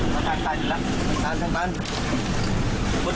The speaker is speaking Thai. มันจะวิ่งเลยสิมันวิ่งดิ